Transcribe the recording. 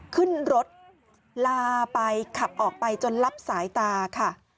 ขึ้นรถลาไปขับออกไปจนรับสายตาค่ะ